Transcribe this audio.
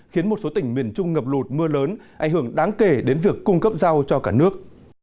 khiến một số tỉnh miền trung ngập lụt mưa lớn ảnh hưởng đáng kể đến việc cung cấp rau cho cả nước